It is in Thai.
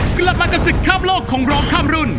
กลับมากับศึกข้ามโลกของร้องข้ามรุ่น